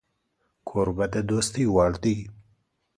کوربه د دوستۍ وړ دی